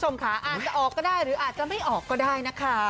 มันออกก็ได้หรืออาจจะไม่ออกก็ได้นะคะ